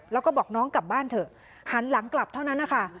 แล้วก็บอกน้องกลับบ้านเถอะหันหลังกลับเท่านั้นนะคะ